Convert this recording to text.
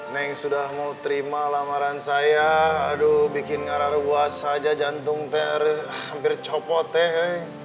neng sudah mau terima lamaran saya aduh bikin ngarah ruas saja jantung teh hampir copot teh